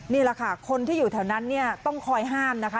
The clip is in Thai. นี่แหละค่ะคนที่อยู่แถวนั้นเนี่ยต้องคอยห้ามนะคะ